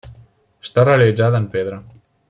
Està realitzada en pedra.